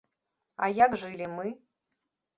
А як жылі мы?